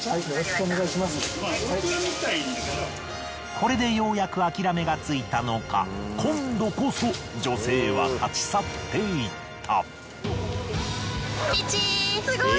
これでようやく諦めがついたのか今度こそ女性は立ち去っていった。